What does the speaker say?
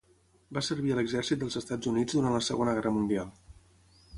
Va servir a l'exèrcit dels Estats Units durant la Segona Guerra Mundial.